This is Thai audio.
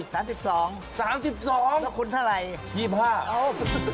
แล้วคุณเท่าไร๒๕๐๐อ้าว